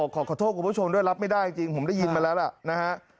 ขอโทษคุณผู้ชมด้วยรับไม่ได้จริงผมได้ยินมาแล้วล่ะนะฮะ